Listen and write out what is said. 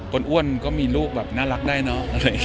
คนอ้วนก็มีลูกน่ารักได้เนาะ